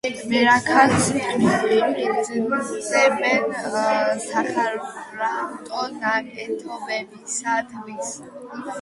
მერქანს იყენებენ სახარატო ნაკეთობისათვის.